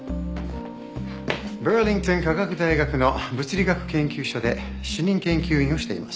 バーリントン科学大学の物理学研究所で主任研究員をしています。